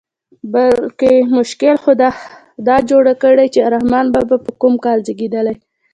بلکې مشکل مو دا جوړ کړی چې رحمان بابا په کوم کال زېږېدلی.